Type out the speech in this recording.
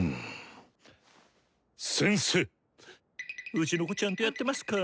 うちの子ちゃんとやってますか？